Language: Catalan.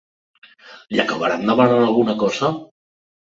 Li acabaran demanant alguna cosa?